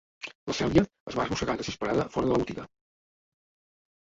La Celia es va arrossegar desesperada fora de la botiga.